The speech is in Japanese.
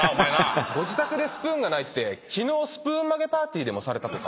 ご自宅でスプーンがないって昨日スプーン曲げパーティーでもされたとか？